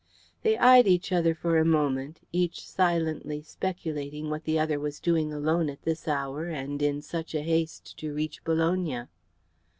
They eyed each other for a moment, each silently speculating what the other was doing alone at this hour and in such a haste to reach Bologna.